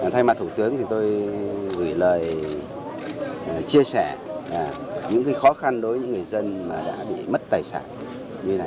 thay mặt thủ tướng thì tôi gửi lời chia sẻ những khó khăn đối với người dân đã bị mất tài sản